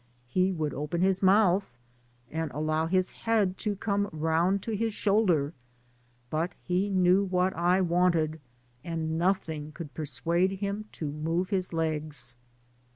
He would open his mouth, and allow his head to come round to his shoulder, but he knew what I wanted, and nothing could persuade him to move his legs.